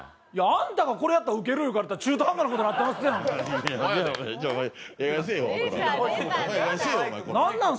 あんたがこれやったらウケる言うたけど、中途半端なことになってるやん。